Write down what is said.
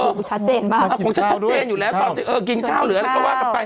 คงชัดเจนมากคงชัดเจนอยู่แล้วตอนที่เออกินข้าวหรืออะไรก็ว่ากันไป